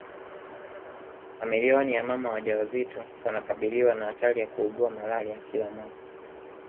Mamilioni ya mama wajawazito wanakabiliwa na hatari ya kuugua malaria kila mwaka